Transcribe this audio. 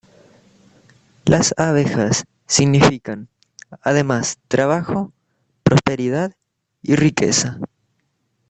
Las abejas significan, además trabajó, prosperidad y riqueza.